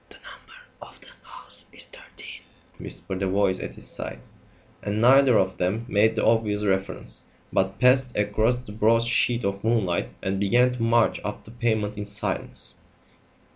"The number of the house is thirteen," whispered a voice at his side; and neither of them made the obvious reference, but passed across the broad sheet of moonlight and began to march up the pavement in silence.